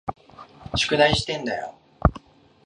宿題してんだよ。